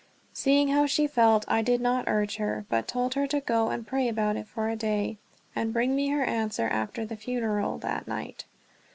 Seeing how she felt, I did not urge her, but told her to go and pray about it for a day, and bring me her answer after the funeral that night.